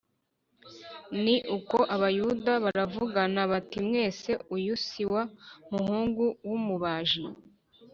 Ni uko Abayuda baravugana bati Mbese uyu si wa muhungu w’umubaji‽